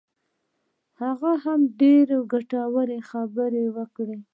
هغه هم ډېرې ګټورې خبرې وکړې.